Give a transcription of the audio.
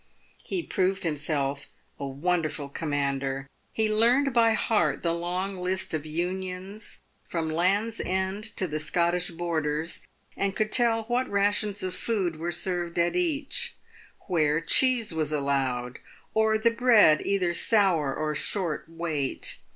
He proved himself a wonderful commander. He learned by heart the long list of Unions from Land's End to the Scottish borders, and could tell what rations of food were served at each — where cheese was allowed, or the bread either sour or short weight.